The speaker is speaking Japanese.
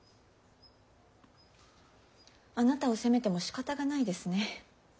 あなたを責めてもしかたがないですね。